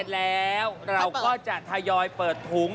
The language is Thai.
แล้วเราก็จะทยอยเปิดถุง